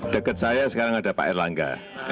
dekat saya sekarang ada pak erlangga